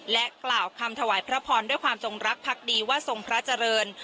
และกล่าวคำถวายพระพรด้วยความจงรักพักดีว่าทรงพระเจริญ